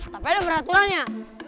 tapi ada peraturannya